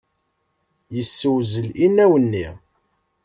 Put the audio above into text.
Yessewzel inaw-nni.